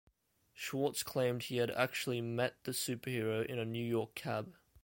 Schwartz claimed he had actually met the superhero in a New York cab.